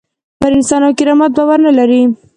پر انسان او کرامت باور نه لري.